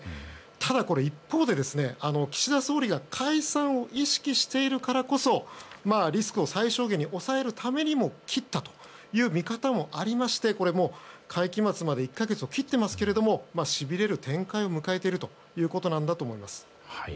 ただ、一方で岸田総理が解散を意識しているからこそリスクを最小限に抑えるためにも切ったという見方もありまして、会期末まで１か月を切っていますけどしびれる展開を迎えているということなんだと思います。